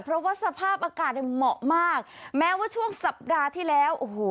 เพราะว่าสภาพอากาศเนี่ยเหมาะมากแม้ว่าช่วงสัปดาห์ที่แล้วโอ้โห